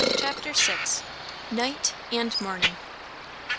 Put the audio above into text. CHAPTER VI. Night and Morning.